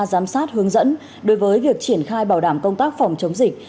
giám sát hướng dẫn đối với việc triển khai bảo đảm công tác phòng chống dịch